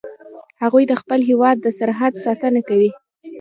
هغوی د خپل هیواد د سرحد ساتنه کوي